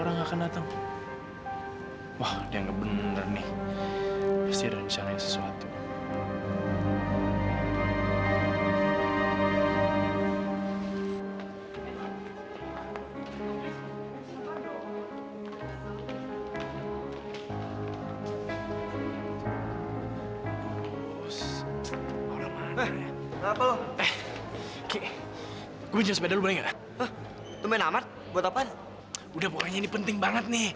gue sepeda lu enggak tuh main amat buat apa udah pokoknya ini penting banget nih